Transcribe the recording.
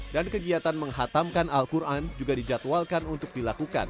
dan kegiatan menghatamkan al quran juga dijadwalkan untuk dilakukan